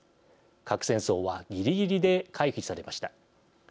核戦争はぎりぎりで回避されました。